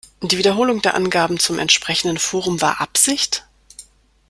Die Wiederholung der Angaben zum entsprechenden Forum war Absicht?